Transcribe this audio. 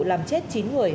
làm chết chín người